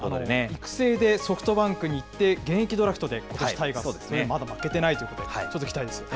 育成でソフトバンクに行って現役ドラフトでことし、タイガース、まだ負けてないということで、ちょっと期待ですよね。